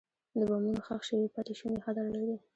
د بمونو ښخ شوي پاتې شوني خطر لري.